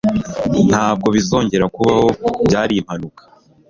Ntabwo bizongera kubaho. Byari impanuka.